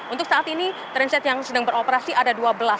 untuk saat ini transit yang sedang beroperasi ada dua belas